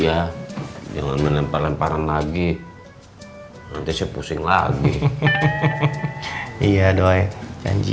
iya jangan menempar lemparan lagi nanti saya pusing lagi iya doi janji